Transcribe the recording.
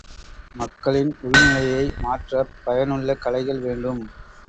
மக்களின் உள் நிலையை மாற்றப் பயனுள்ள கலைகள் வேண்டும்!